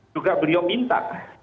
juga beliau minta